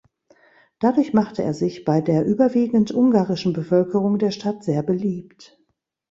Dadurch machte er sich bei der überwiegend ungarischen Bevölkerung der Stadt sehr beliebt.